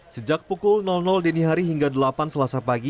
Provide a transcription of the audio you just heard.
sejak pukul dini hari hingga delapan selasa pagi